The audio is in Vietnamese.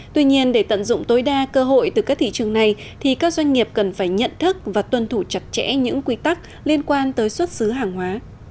tuy nhiên để tận dụng tối đa cơ hội từ các thị trường này thì các doanh nghiệp cần phải nhận thức và tuân thủ chặt chẽ những quy tắc liên quan tới xuất xứ hàng hóa